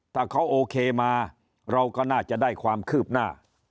ถ้าเขาโอเคมาเราก็น่าจะได้ความคืบหน้า